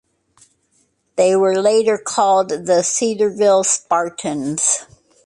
They were later called the Cedarville Spartans.